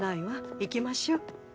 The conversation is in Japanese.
行きましょう。